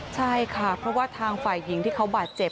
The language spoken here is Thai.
ใช่ค่ะเพราะว่าทางฝ่ายหญิงที่เขาบาดเจ็บ